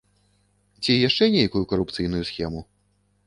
Ці яшчэ нейкую карупцыйную схему?